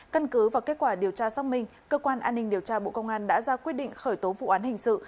căn cứ và kết quả điều tra xác minh cơ quan an ninh điều tra bộ công an đã ra quyết định khởi tố vụ án hình sự